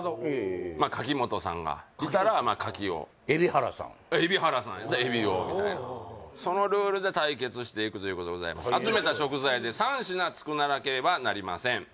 なるほど海老原さんやったら海老をみたいなそのルールで対決していくということでございます集めた食材で３品作らなければなりません